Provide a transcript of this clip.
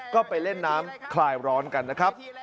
ก็ไปเล่นน้ำคลายร้อนกันนะครับ